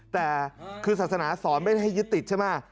แต่คือศาสนาสอนไม่ได้ให้ยึดติดใช่ไหม